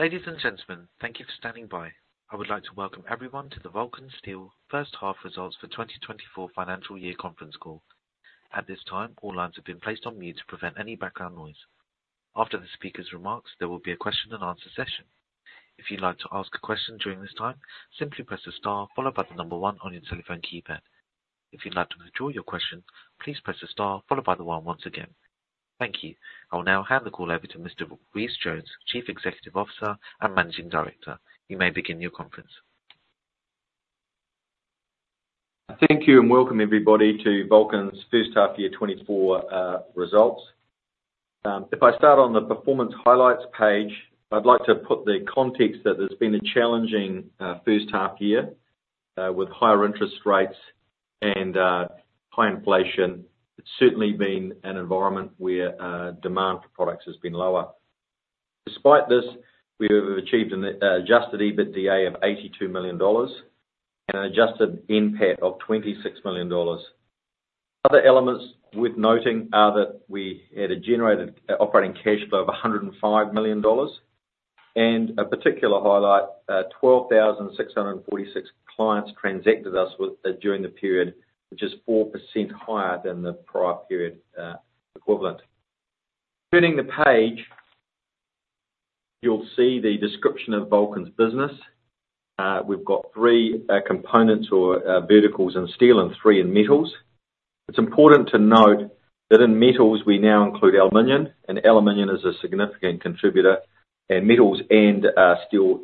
Ladies and gentlemen, thank you for standing by. I would like to welcome everyone to the Vulcan Steel first-half results for 2024 financial year conference call. At this time, all lines have been placed on mute to prevent any background noise. After the speaker's remarks, there will be a question-and-answer session. If you'd like to ask a question during this time, simply press the star followed by the number one on your telephone keypad. If you'd like to withdraw your question, please press the star followed by the one once again. Thank you. I will now hand the call over to Mr. Rhys Jones, Chief Executive Officer and Managing Director. You may begin your conference. Thank you and welcome everybody to Vulcan's first-half year 2024 results. If I start on the performance highlights page, I'd like to put the context that there's been a challenging first-half year with higher interest rates and high inflation. It's certainly been an environment where demand for products has been lower. Despite this, we have achieved an Adjusted EBITDA of 82 million dollars and an Adjusted NPAT of 26 million dollars. Other elements worth noting are that we had a generated operating cash flow of 105 million dollars. A particular highlight, 12,646 clients transacted us during the period, which is 4% higher than the prior period equivalent. Turning the page, you'll see the description of Vulcan's business. We've got three components or verticals in steel and three in metals. It's important to note that in metals, we now include aluminium, and aluminium is a significant contributor. Metals and steel,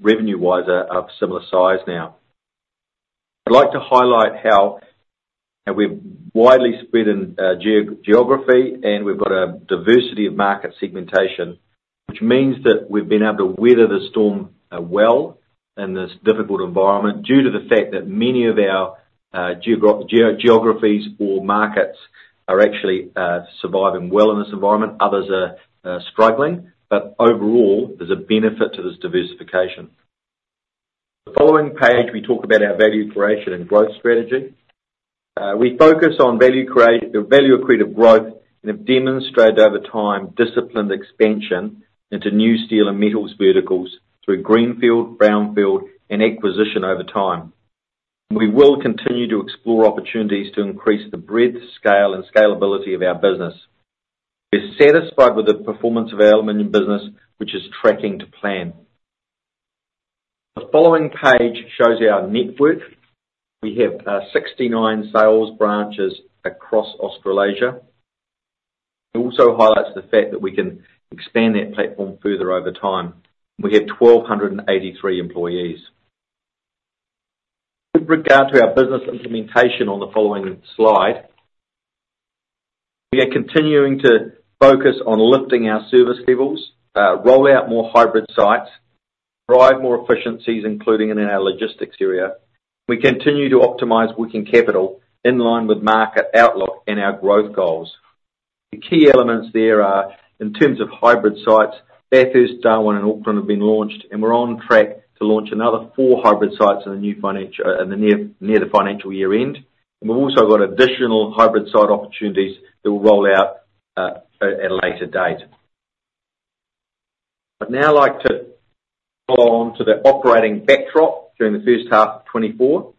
revenue-wise, are of similar size now. I'd like to highlight how we're widely spread in geography, and we've got a diversity of market segmentation, which means that we've been able to weather the storm well in this difficult environment due to the fact that many of our geographies or markets are actually surviving well in this environment. Others are struggling. But overall, there's a benefit to this diversification. The following page, we talk about our value creation and growth strategy. We focus on value creative growth and have demonstrated over time disciplined expansion into new steel and metals verticals through greenfield, brownfield, and acquisition over time. We will continue to explore opportunities to increase the breadth, scale, and scalability of our business. We're satisfied with the performance of our aluminium business, which is tracking to plan. The following page shows our network. We have 69 sales branches across Australasia. It also highlights the fact that we can expand that platform further over time. We have 1,283 employees. With regard to our business implementation on the following slide, we are continuing to focus on lifting our service levels, roll out more hybrid sites, drive more efficiencies, including in our logistics area. We continue to optimize working capital in line with market outlook and our growth goals. The key elements there are, in terms of hybrid sites, Bathurst, Darwin, and Auckland have been launched, and we're on track to launch another four hybrid sites in the near the financial year end. We've also got additional hybrid site opportunities that will roll out at a later date. I'd now like to follow on to the operating backdrop during the first half of 2024.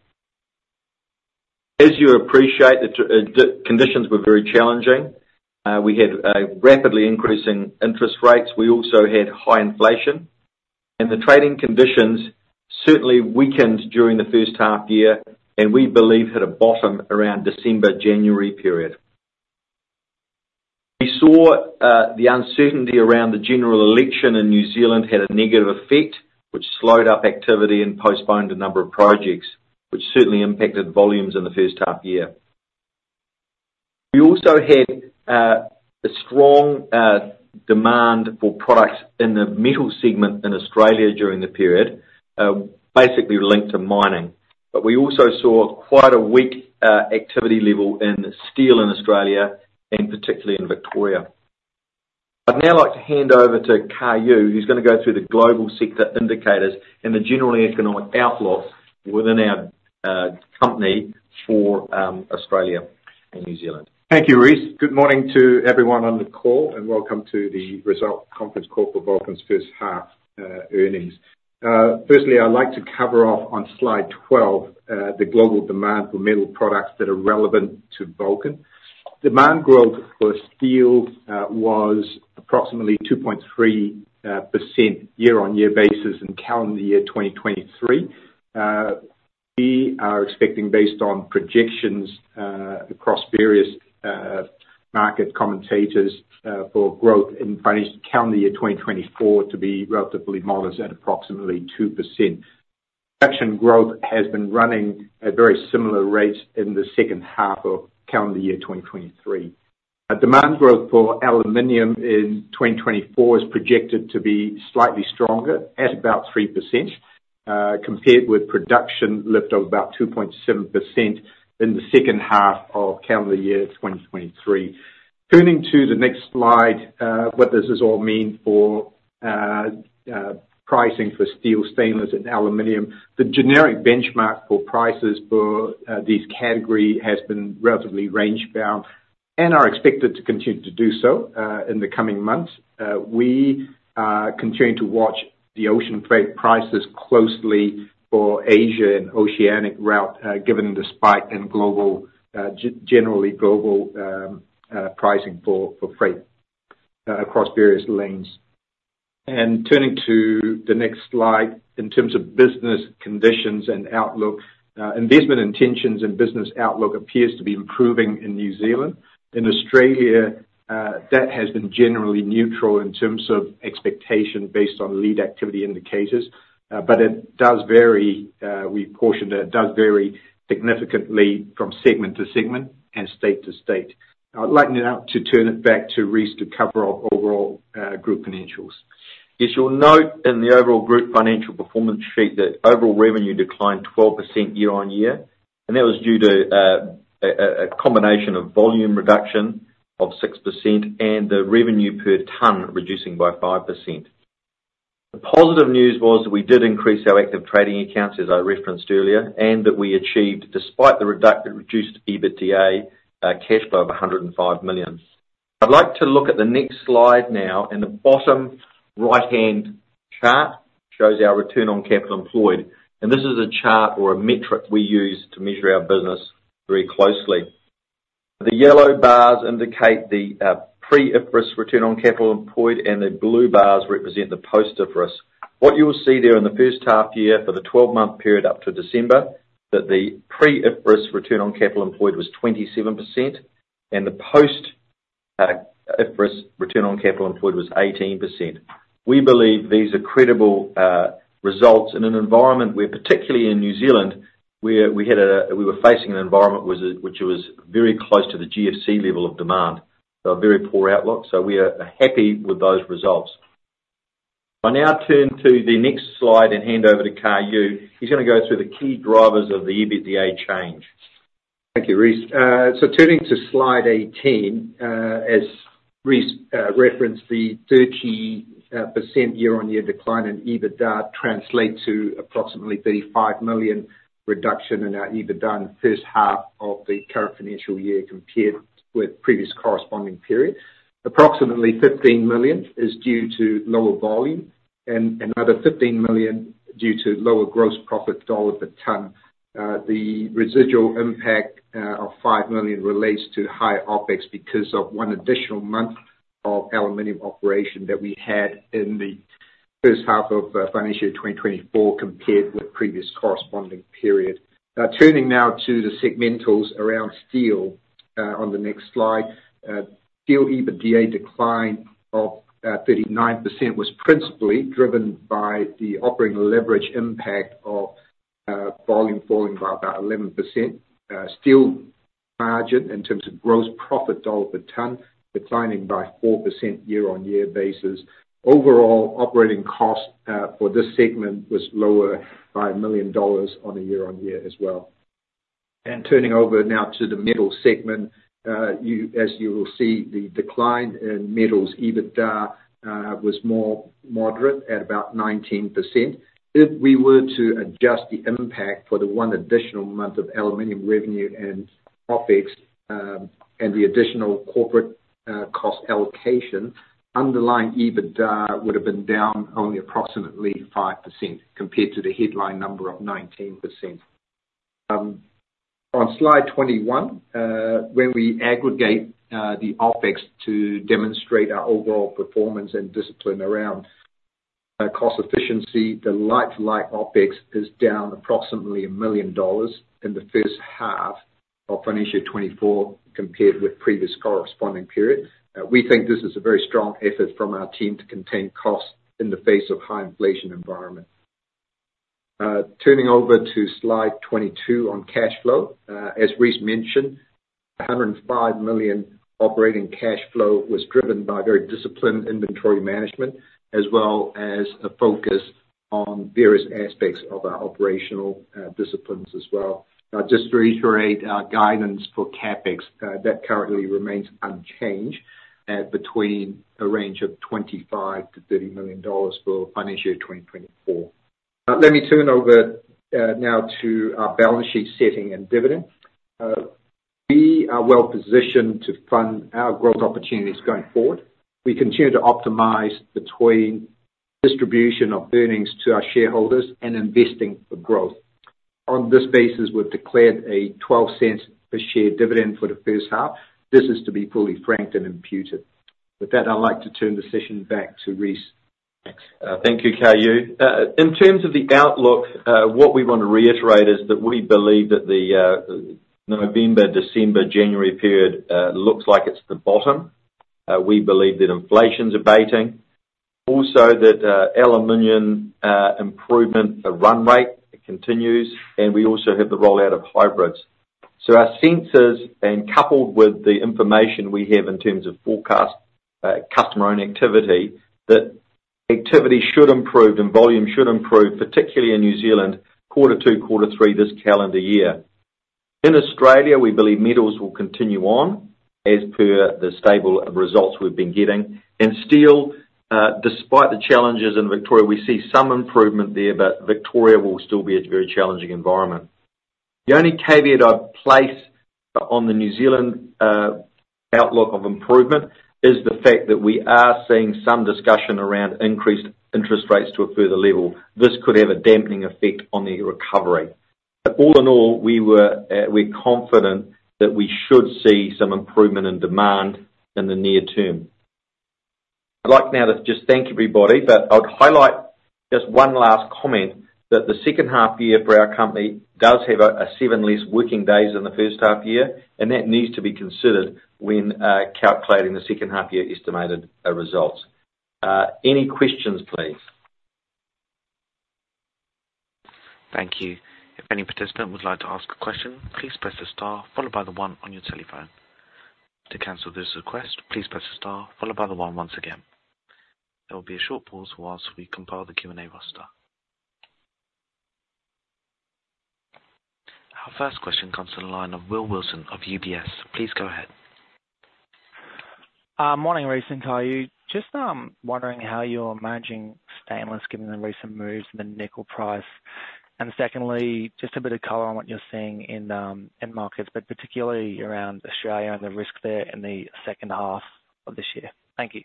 As you appreciate, the conditions were very challenging. We had rapidly increasing interest rates. We also had high inflation. The trading conditions certainly weakened during the first half year, and we believe hit a bottom around December, January period. We saw the uncertainty around the general election in New Zealand had a negative effect, which slowed up activity and postponed a number of projects, which certainly impacted volumes in the first half year. We also had a strong demand for products in the metal segment in Australia during the period, basically linked to mining. We also saw quite a weak activity level in steel in Australia and particularly in Victoria. I'd now like to hand over to Kar Yue Yeo, who's going to go through the global sector indicators and the general economic outlook within our company for Australia and New Zealand. Thank you, Rhys. Good morning to everyone on the call, and welcome to the result conference call for Vulcan's first-half earnings. Firstly, I'd like to cover off on slide 12, the global demand for metal products that are relevant to Vulcan. Demand growth for steel was approximately 2.3% year-on-year basis in calendar year 2023. We are expecting, based on projections across various market commentators for growth in calendar year 2024, to be relatively modest at approximately 2%. Production growth has been running at very similar rates in the second half of calendar year 2023. Demand growth for aluminium in 2024 is projected to be slightly stronger at about 3%, compared with production lift of about 2.7% in the second half of calendar year 2023. Turning to the next slide, what does this all mean for pricing for steel, stainless, and aluminium? The generic benchmark for prices for these categories has been relatively range-bound and are expected to continue to do so in the coming months. We are continuing to watch the ocean freight prices closely for Asia and oceanic route, given the spike in generally global pricing for freight across various lanes. Turning to the next slide, in terms of business conditions and outlook, investment intentions and business outlook appears to be improving in New Zealand. In Australia, that has been generally neutral in terms of expectation based on lead activity indicators. But it does vary—we've portioned it—it does vary significantly from segment to segment and state to state. I'd like to turn it back to Rhys to cover off overall group financials. As you'll note in the overall group financial performance sheet, the overall revenue declined 12% year-on-year, and that was due to a combination of volume reduction of 6% and the revenue per tonne reducing by 5%. The positive news was that we did increase our active trading accounts, as I referenced earlier, and that we achieved, despite the reduced EBITDA, cash flow of 105 million. I'd like to look at the next slide now. The bottom right-hand chart shows our return on capital employed. This is a chart or a metric we use to measure our business very closely. The yellow bars indicate the pre-IFRS 16 return on capital employed, and the blue bars represent the post-IFRS 16. What you'll see there in the first half year for the 12-month period up to December, that the pre-IFRS 16 return on capital employed was 27%, and the post-IFRS 16 return on capital employed was 18%. We believe these are credible results in an environment where, particularly in New Zealand, we were facing an environment which was very close to the GFC level of demand. So a very poor outlook. So we are happy with those results. If I now turn to the next slide and hand over to Kar Yue, he's going to go through the key drivers of the EBITDA change. Thank you, Rhys. So turning to slide 18, as Rhys referenced, the 30% year-on-year decline in EBITDA translates to approximately 35 million reduction in our EBITDA in the first half of the current financial year compared with the previous corresponding period. Approximately 15 million is due to lower volume and another 15 million due to lower gross profit dollar per tonne. The residual impact of 5 million relates to higher OpEx because of one additional month of aluminium operation that we had in the first half of financial year 2024 compared with the previous corresponding period. Turning now to the segmentals around steel on the next slide, steel EBITDA decline of 39% was principally driven by the operating leverage impact of volume falling by about 11%, steel margin in terms of gross profit dollar per tonne declining by 4% year-on-year basis. Overall, operating costs for this segment was lower by 1 million dollars on a year-over-year as well. Turning over now to the metal segment, as you will see, the decline in metals EBITDA was more moderate at about 19%. If we were to adjust the impact for the one additional month of aluminium revenue and OpEx and the additional corporate cost allocation, underlying EBITDA would have been down only approximately 5% compared to the headline number of 19%. On slide 21, when we aggregate the OpEx to demonstrate our overall performance and discipline around cost efficiency, the like-for-like OpEx is down approximately 1 million dollars in the first half of financial year 2024 compared with the previous corresponding period. We think this is a very strong effort from our team to contain costs in the face of high inflation environments. Turning over to slide 22 on cash flow, as Rhys mentioned, 105 million operating cash flow was driven by very disciplined inventory management as well as a focus on various aspects of our operational disciplines as well. Now, just to reiterate our guidance for CapEx, that currently remains unchanged between a range of 25 million-30 million dollars for financial year 2024. Let me turn over now to our balance sheet setting and dividend. We are well positioned to fund our growth opportunities going forward. We continue to optimize between distribution of earnings to our shareholders and investing for growth. On this basis, we've declared a 0.12 per share dividend for the first half. This is to be fully franked and imputed. With that, I'd like to turn the session back to Rhys. Thanks, Kar Yue. In terms of the outlook, what we want to reiterate is that we believe that the November, December, January period looks like it's the bottom. We believe that inflation's abating, also that aluminium improvement run rate continues, and we also have the rollout of hybrids. So our senses, and coupled with the information we have in terms of forecast customer-owned activity, that activity should improve and volume should improve, particularly in New Zealand, quarter two, quarter three, this calendar year. In Australia, we believe metals will continue on as per the stable results we've been getting. And steel, despite the challenges in Victoria, we see some improvement there, but Victoria will still be a very challenging environment. The only caveat I'd place on the New Zealand outlook of improvement is the fact that we are seeing some discussion around increased interest rates to a further level. This could have a dampening effect on the recovery. But all in all, we're confident that we should see some improvement in demand in the near term. I'd like now to just thank everybody, but I'd highlight just one last comment, that the second half year for our company does have seven less working days than the first half year, and that needs to be considered when calculating the second half year estimated results. Any questions, please? Thank you. If any participant would like to ask a question, please press the star, followed by the one on your telephone. To cancel this request, please press the star, followed by the one once again. There will be a short pause whilst we compile the Q&A roster. Our first question comes to the line of Will Wilson of UBS. Please go ahead. Morning, Rhys, and Kar Yue. Just wondering how you're managing stainless given the recent moves in the nickel price. And secondly, just a bit of color on what you're seeing in markets, but particularly around Australia and the risk there in the second half of this year. Thank you.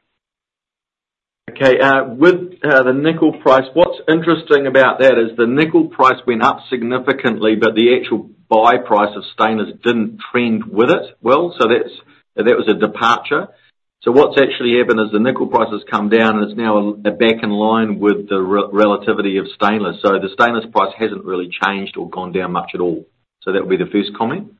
Okay. With the nickel price, what's interesting about that is the nickel price went up significantly, but the actual buy price of stainless didn't trend with it well. So that was a departure. So what's actually happened is the nickel price has come down, and it's now back in line with the relativity of stainless. So the stainless price hasn't really changed or gone down much at all. So that would be the first comment.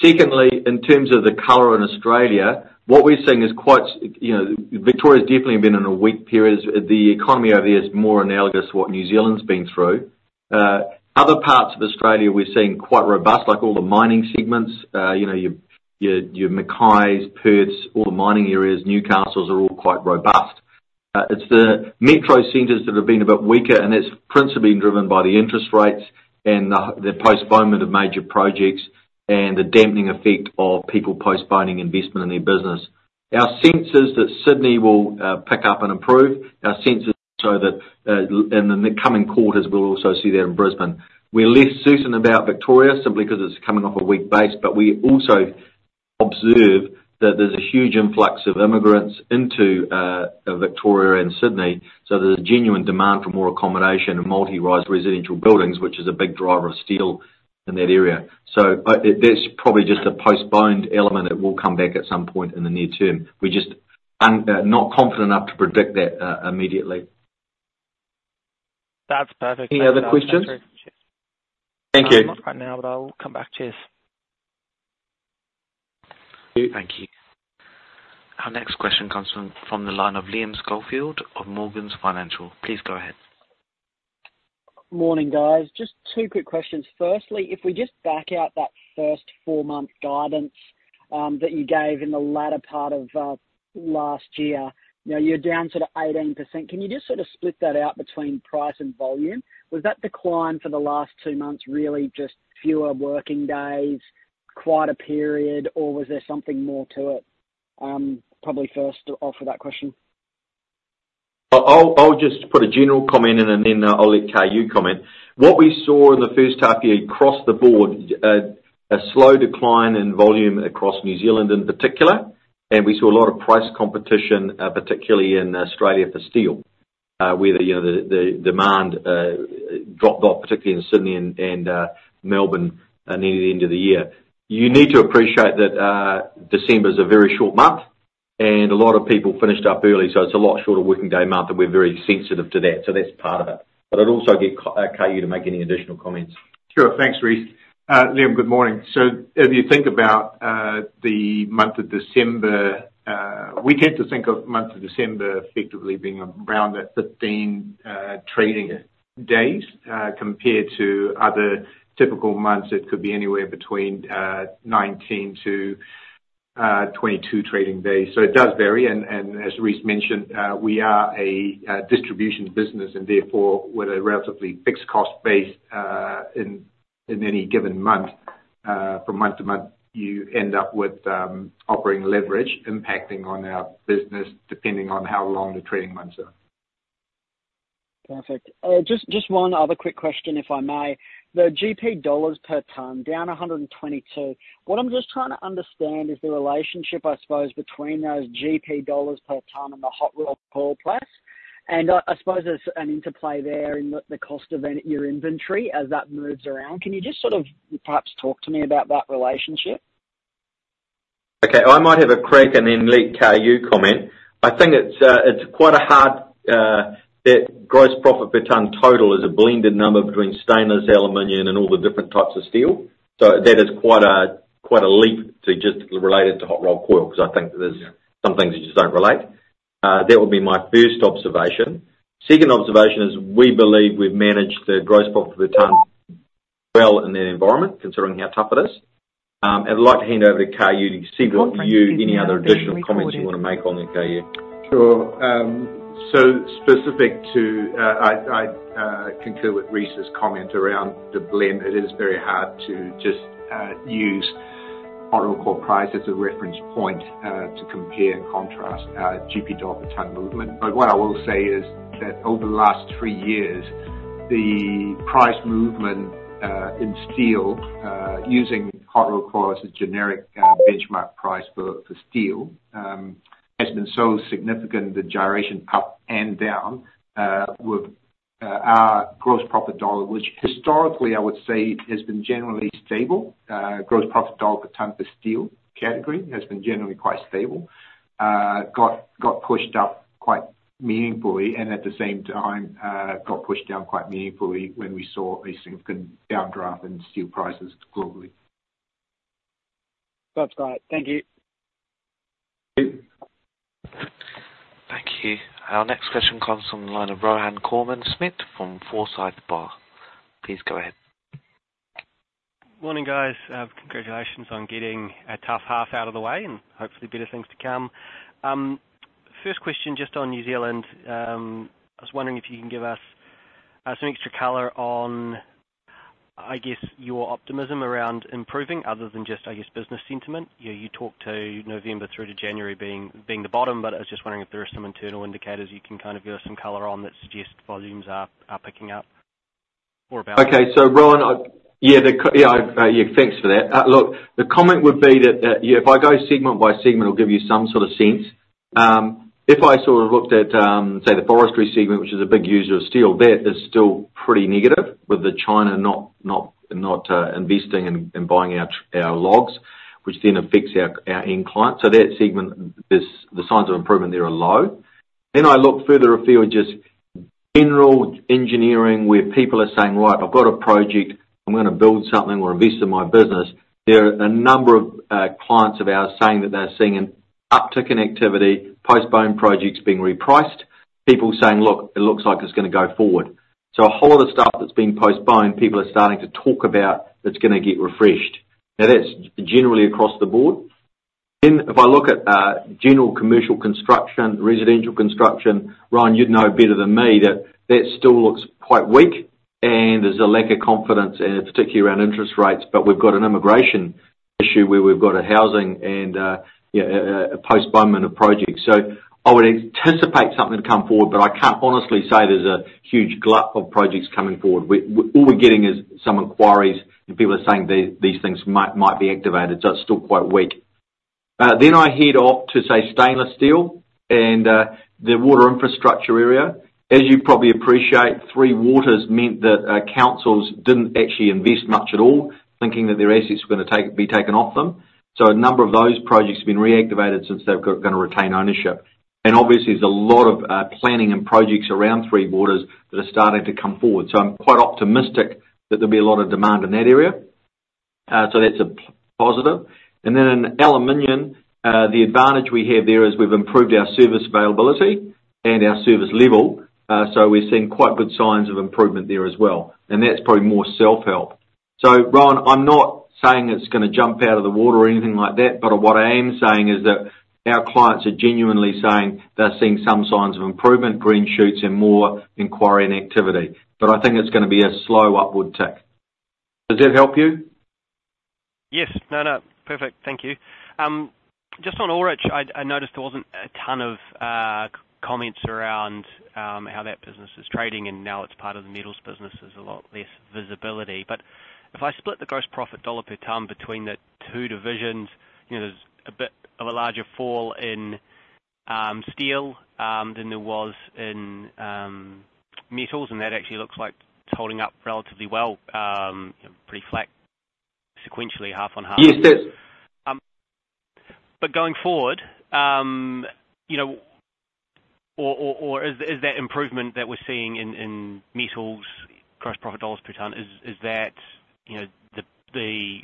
Secondly, in terms of the color in Australia, what we're seeing is, quite, Victoria's definitely been in a weak period. The economy over there is more analogous to what New Zealand's been through. Other parts of Australia, we're seeing quite robust, like all the mining segments: your Mackays, Perths, all the mining areas, Newcastles are all quite robust. It's the metro centers that have been a bit weaker, and that's principally driven by the interest rates and the postponement of major projects and the dampening effect of people postponing investment in their business. Our sense is that Sydney will pick up and improve. Our sense is also that in the coming quarters, we'll also see that in Brisbane. We're less certain about Victoria simply because it's coming off a weak base, but we also observe that there's a huge influx of immigrants into Victoria and Sydney. So there's a genuine demand for more accommodation and multi-rise residential buildings, which is a big driver of steel in that area. So that's probably just a postponed element that will come back at some point in the near term. We're just not confident enough to predict that immediately. That's perfect. Any other questions? Thank you. Not right now, but I'll come back. Cheers. Thank you. Our next question comes from the line of Liam Schofield of Morgans Financial. Please go ahead. Morning, guys. Just two quick questions. Firstly, if we just back out that first four-month guidance that you gave in the latter part of last year, you're down sort of 18%. Can you just sort of split that out between price and volume? Was that decline for the last two months really just fewer working days, quite a period, or was there something more to it? Probably first off with that question. I'll just put a general comment in, and then I'll let Kar Yue comment. What we saw in the first half year across the board, a slow decline in volume across New Zealand in particular, and we saw a lot of price competition, particularly in Australia for steel, where the demand dropped off, particularly in Sydney and Melbourne near the end of the year. You need to appreciate that December's a very short month, and a lot of people finished up early. So it's a lot shorter working day month, and we're very sensitive to that. So that's part of it. But I'd also get Kar Yue to make any additional comments. Sure. Thanks, Rhys. Liam, good morning. So if you think about the month of December, we tend to think of the month of December effectively being around that 15 trading days compared to other typical months. It could be anywhere between 19-22 trading days. So it does vary. And as Rhys mentioned, we are a distribution business, and therefore we're a relatively fixed cost base in any given month. From month to month, you end up with operating leverage impacting on our business depending on how long the trading months are. Perfect. Just one other quick question, if I may. The GP dollars per tonne, down 122. What I'm just trying to understand is the relationship, I suppose, between those GP dollars per tonne and the hot rolled coil price. And I suppose there's an interplay there in the cost of your inventory as that moves around. Can you just sort of perhaps talk to me about that relationship? Okay. I might have a crack and then let Kar Yue comment. I think it's quite hard that gross profit per tonne total is a blended number between stainless, aluminium, and all the different types of steel. So that is quite a leap to just relate it to hot rolled coil because I think there's some things that just don't relate. That would be my first observation. Second observation is we believe we've managed the gross profit per tonne well in that environment considering how tough it is. I'd like to hand over to Kar Yue to see what, if any, other additional comments you want to make on that, Kar Yue. Sure. So specific to, I concur with Rhys's comment around the blend. It is very hard to just use hot rolled coil price as a reference point to compare and contrast GP dollar per tonne movement. But what I will say is that over the last three years, the price movement in steel using hot rolled coil as a generic benchmark price for steel has been so significant, the gyration up and down, with our gross profit dollar, which historically, I would say, has been generally stable. Gross profit dollar per tonne for steel category has been generally quite stable, got pushed up quite meaningfully, and at the same time, got pushed down quite meaningfully when we saw a significant downdraft in steel prices globally. That's great. Thank you. Thank you. Our next question comes from the line of Rohan Koreman-Smit from Forsyth Barr. Please go ahead. Morning, guys. Congratulations on getting a tough half out of the way, and hopefully, better things to come. First question just on New Zealand. I was wondering if you can give us some extra color on, I guess, your optimism around improving other than just, I guess, business sentiment. You talked to November through to January being the bottom, but I was just wondering if there are some internal indicators you can kind of give us some color on that suggest volumes are picking up or about. Okay. So, Rohan, yeah, thanks for that. Look, the comment would be that if I go segment by segment, it'll give you some sort of sense. If I sort of looked at, say, the forestry segment, which is a big user of steel, that is still pretty negative with China not investing and buying our logs, which then affects our end client. So that segment, the signs of improvement there are low. Then I look further afield, just general engineering where people are saying, "Right, I've got a project. I'm going to build something or invest in my business." There are a number of clients of ours saying that they're seeing an uptick in activity, postponed projects being repriced, people saying, "Look, it looks like it's going to go forward." So a whole lot of stuff that's been postponed, people are starting to talk about that's going to get refreshed. Now, that's generally across the board. Then if I look at general commercial construction, residential construction, Rohan, you'd know better than me that that still looks quite weak, and there's a lack of confidence, particularly around interest rates. But we've got an immigration issue where we've got housing and a postponement of projects. So I would anticipate something to come forward, but I can't honestly say there's a huge glut of projects coming forward. All we're getting is some inquiries, and people are saying these things might be activated. So it's still quite weak. Then I head off to, say, stainless steel and the water infrastructure area. As you probably appreciate, Three Waters meant that councils didn't actually invest much at all thinking that their assets were going to be taken off them. So a number of those projects have been reactivated since they're going to retain ownership. And obviously, there's a lot of planning and projects around Three Waters that are starting to come forward. So I'm quite optimistic that there'll be a lot of demand in that area. So that's a positive. And then in aluminium, the advantage we have there is we've improved our service availability and our service level. So we're seeing quite good signs of improvement there as well. And that's probably more self-help. So, Rohan, I'm not saying it's going to jump out of the water or anything like that, but what I am saying is that our clients are genuinely saying they're seeing some signs of improvement, green shoots, and more inquiry and activity. But I think it's going to be a slow upward tick. Does that help you? Yes. No, no. Perfect. Thank you. Just on Ullrich, I noticed there wasn't a tonne of comments around how that business is trading, and now it's part of the metals business. There's a lot less visibility. But if I split the gross profit dollar per tonne between the two divisions, there's a bit of a larger fall in steel than there was in metals, and that actually looks like it's holding up relatively well, pretty flat sequentially, half on half. Yes, it is. But going forward, or is that improvement that we're seeing in metals, gross profit dollars per tonne, is that the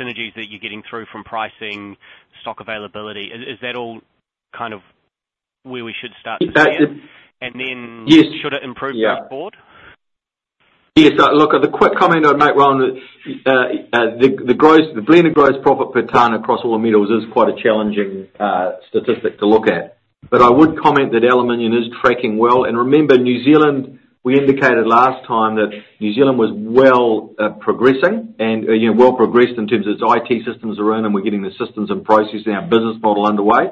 synergies that you're getting through from pricing, stock availability? Is that all kind of where we should start to see that? And then should it improve across the board? Yes. Look, the quick comment I'd make, Rohan, is the blended gross profit per tonne across all the metals is quite a challenging statistic to look at. But I would comment that aluminium is tracking well. And remember, New Zealand, we indicated last time that New Zealand was well progressing and well progressed in terms of its IT systems around, and we're getting the systems and processes and our business model underway,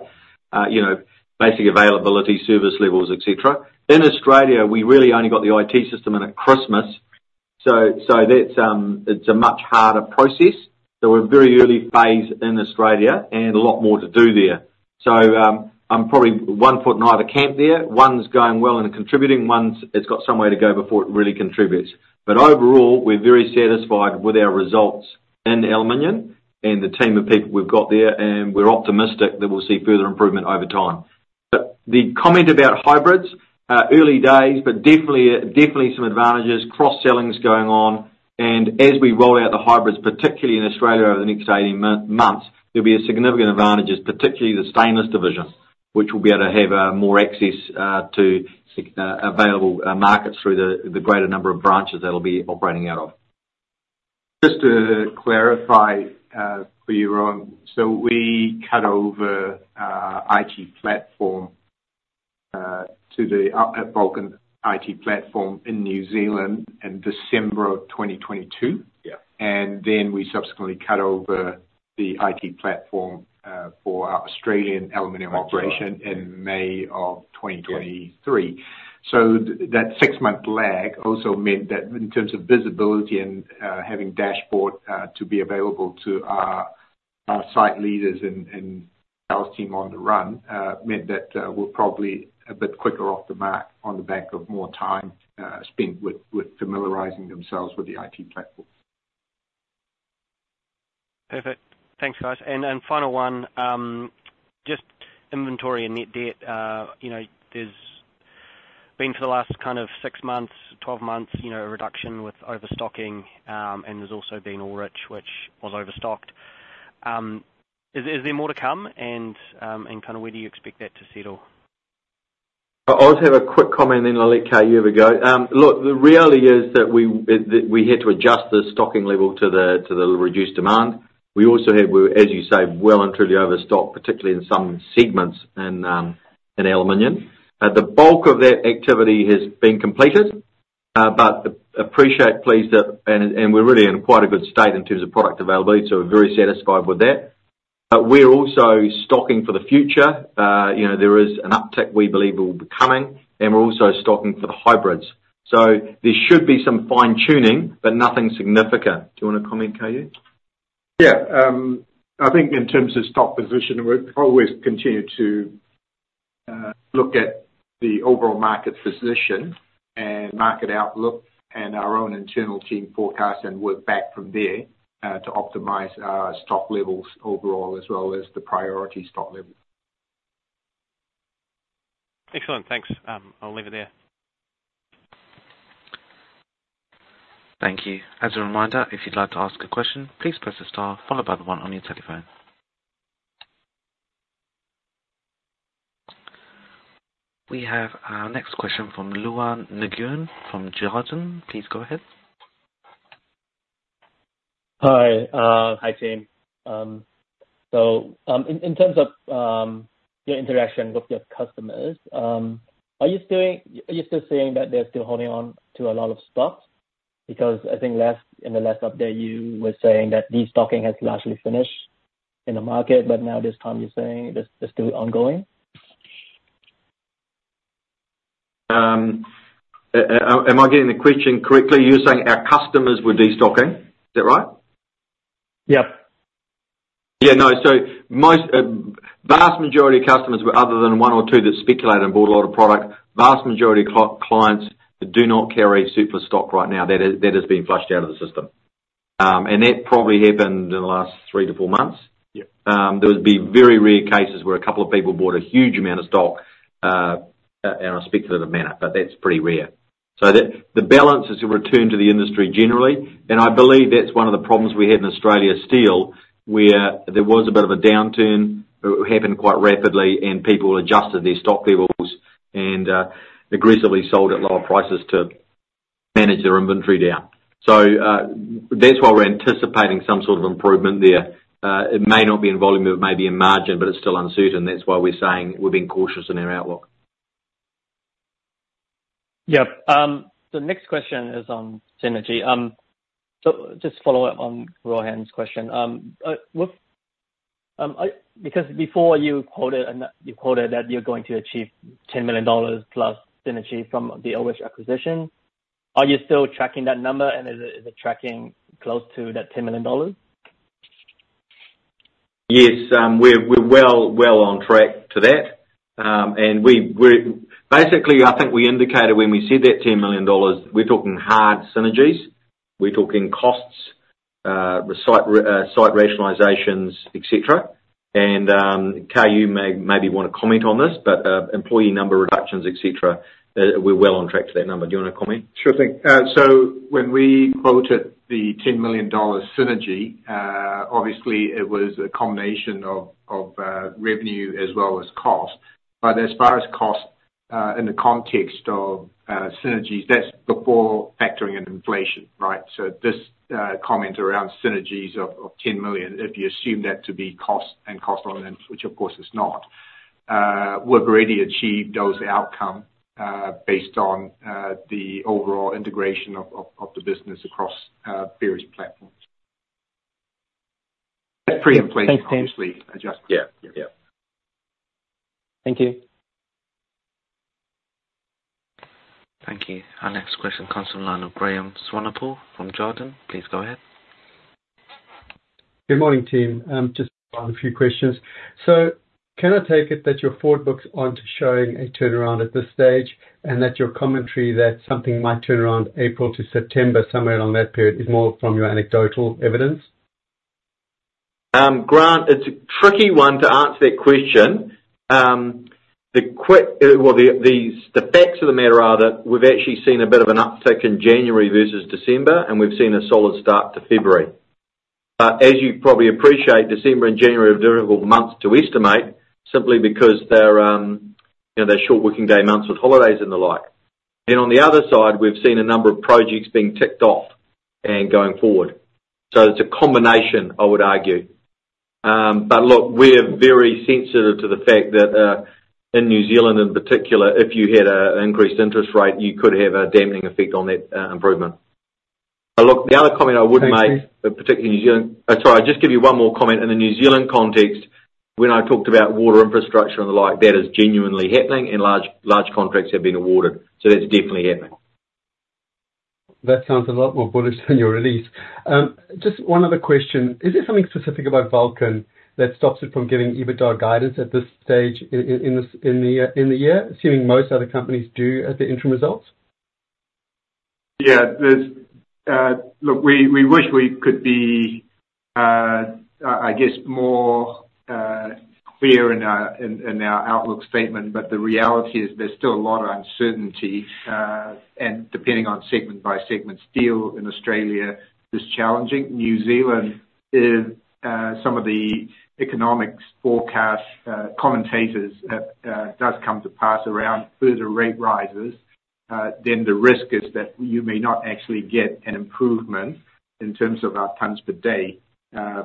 basic availability, service levels, etc. In Australia, we really only got the IT system in at Christmas. So it's a much harder process. So we're a very early phase in Australia and a lot more to do there. So I'm probably one foot in either camp there. One's going well and contributing. One's, it's got some way to go before it really contributes. But overall, we're very satisfied with our results in aluminium and the team of people we've got there, and we're optimistic that we'll see further improvement over time. But the comment about hybrids, early days, but definitely some advantages, cross-sellings going on. And as we roll out the hybrids, particularly in Australia over the next 18 months, there'll be a significant advantage, particularly the stainless division, which will be able to have more access to available markets through the greater number of branches that it'll be operating out of. Just to clarify for you, Rohan, so we cut over IT platform to the Vulcan IT platform in New Zealand in December of 2022. And then we subsequently cut over the IT platform for our Australian aluminium operation in May of 2023. So that six-month lag also meant that in terms of visibility and having dashboard to be available to our site leaders and sales team on the run meant that we're probably a bit quicker off the mark on the back of more time spent with familiarizing themselves with the IT platform. Perfect. Thanks, guys. And final one, just inventory and net debt. There's been for the last kind of six months, 12 months, a reduction with overstocking, and there's also been Ullrich Aluminium, which was overstocked. Is there more to come, and kind of where do you expect that to settle? I'll just have a quick comment, and then I'll let Kar Yue have a go. Look, the reality is that we had to adjust the stocking level to the reduced demand. We also had, as you say, well and truly overstocked, particularly in some segments in aluminium. The bulk of that activity has been completed, but appreciate, please, that and we're really in quite a good state in terms of product availability, so we're very satisfied with that. But we're also stocking for the future. There is an uptick we believe will be coming, and we're also stocking for the hybrids. So there should be some fine-tuning, but nothing significant. Do you want to comment, Kar Yue? Yeah. I think in terms of stock position, we'll always continue to look at the overall market position and market outlook and our own internal team forecast and work back from there to optimize our stock levels overall as well as the priority stock level. Excellent. Thanks. I'll leave it there. Thank you. As a reminder, if you'd like to ask a question, please press the star followed by the one on your telephone. We have our next question from Luan Nguyen from Jarden. Please go ahead. Hi. Hi, team. So in terms of your interaction with your customers, are you still saying that they're still holding on to a lot of stock? Because I think in the last update, you were saying that destocking has largely finished in the market, but now this time, you're saying it's still ongoing? Am I getting the question correctly? You're saying our customers were destocking? Is that right? Yep. Yeah. No. So vast majority of customers, other than one or two that speculated and bought a lot of product, vast majority of clients do not carry surplus stock right now. That has been flushed out of the system. And that probably happened in the last 3-4 months. There would be very rare cases where a couple of people bought a huge amount of stock in a speculative manner, but that's pretty rare. So the balance has returned to the industry generally. And I believe that's one of the problems we had in Australian steel where there was a bit of a downturn that happened quite rapidly, and people adjusted their stock levels and aggressively sold at lower prices to manage their inventory down. So that's why we're anticipating some sort of improvement there. It may not be in volume. It may be in margin, but it's still uncertain. That's why we're saying we've been cautious in our outlook. Yep. The next question is on synergy. So just follow up on Rohan's question. Because before, you quoted that you're going to achieve 10 million dollars+ synergy from the Ullrich acquisition. Are you still tracking that number, and is it tracking close to that 10 million dollars? Yes. We're well on track to that. And basically, I think we indicated when we said that 10 million dollars, we're talking hard synergies. We're talking costs, site rationalizations, etc. And Kar Yue maybe want to comment on this, but employee number reductions, etc., we're well on track to that number. Do you want to comment? Sure thing. So when we quoted the 10 million dollar synergy, obviously, it was a combination of revenue as well as cost. But as far as cost in the context of synergies, that's before factoring in inflation, right? So this comment around synergies of 10 million, if you assume that to be cost and cost on end, which, of course, it's not, we've already achieved those outcomes based on the overall integration of the business across various platforms. That's pre-inflation, obviously, adjustment. Thank you. Thank you. Thank you. Our next question, consultant line of Grant Swanepoel from Jarden. Please go ahead. Good morning, team. Just a few questions. So can I take it that your forward books aren't showing a turnaround at this stage and that your commentary that something might turn around April to September, somewhere along that period, is more from your anecdotal evidence? Grant, it's a tricky one to answer that question. Well, the facts of the matter are that we've actually seen a bit of an uptick in January versus December, and we've seen a solid start to February. But as you probably appreciate, December and January are difficult months to estimate simply because they're short-working day months with holidays and the like. Then on the other side, we've seen a number of projects being ticked off and going forward. So it's a combination, I would argue. But look, we're very sensitive to the fact that in New Zealand, in particular, if you had an increased interest rate, you could have a dampening effect on that improvement. But look, the other comment I would make, particularly in New Zealand, sorry, I'll just give you one more comment. In the New Zealand context, when I talked about water infrastructure and the like, that is genuinely happening, and large contracts have been awarded. So that's definitely happening. That sounds a lot more bullish than you're at least. Just one other question. Is there something specific about Vulcan that stops it from giving EBITDA guidance at this stage in the year, assuming most other companies do at the interim results? Yeah. Look, we wish we could be, I guess, more clear in our outlook statement, but the reality is there's still a lot of uncertainty. Depending on segment-by-segment, steel in Australia is challenging. New Zealand, some of the economics forecast commentators do come to pass around further rate rises. Then the risk is that you may not actually get an improvement in terms of our tonnes per day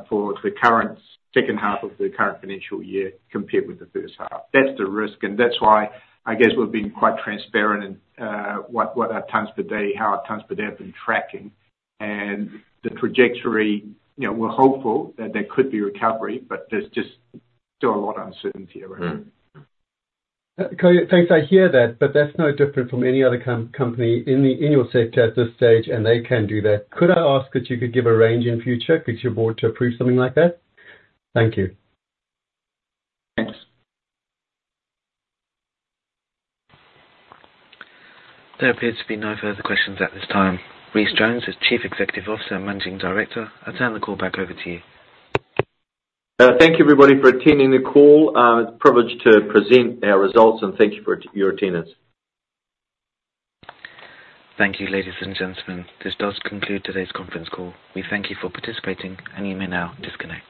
for the second half of the current financial year compared with the first half. That's the risk. And that's why, I guess, we've been quite transparent in what our tonnes per day, how our tonnes per day have been tracking. And the trajectory, we're hopeful that there could be recovery, but there's just still a lot of uncertainty around that. Kar Yue, thanks. I hear that, but that's no different from any other company in your sector at this stage, and they can do that. Could I ask that you could give a range in future get your board to approve something like that? Thank you. Thanks. There appears to be no further questions at this time. Rhys Jones is Chief Executive Officer and Managing Director. I'll turn the call back over to you. Thank you, everybody, for attending the call. It's a privilege to present our results, and thank you for your attendance. Thank you, ladies and gentlemen. This does conclude today's conference call. We thank you for participating, and you may now disconnect.